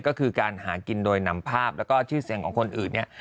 ก็คือการหากินโดยนำภาพแล้วก็ชื่อเสียงของคนอื่นเนี่ย